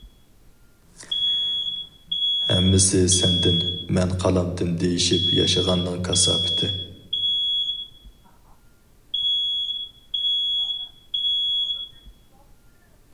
-ھەممىسى سەندىن مەن قالامتى دېيىشىپ ياشىغاننىڭ كاساپىتى.